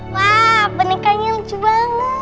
wah penikahnya lucu banget